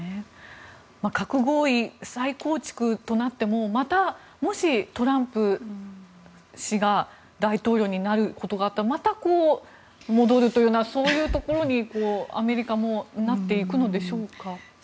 核合意再構築となってもまた、もしトランプ氏が大統領になることがあったらまた戻るというようなそういうところにアメリカもなっていくのでしょうか。